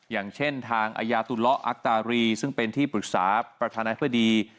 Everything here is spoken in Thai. อย่างเช่นทางอาญาตุเลาะอักตารีซึ่งเป็นที่ปรึกษาประธานาธิบดี